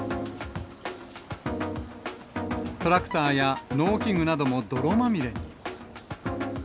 トラクターや農機具なども泥まみ